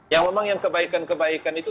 yang memang yang kebaikan kebaikan itu